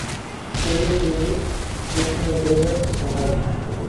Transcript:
Ltd, que es una empresa estatal.